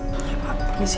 oke pak permisi